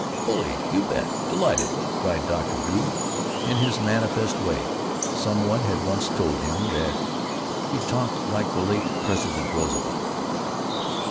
"Bully! You bet! Delighted!" cried Dr. Drew, in his manliest way. (Some one had once told him that he talked like the late President Roosevelt.)